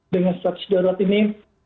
dengan status darurat ini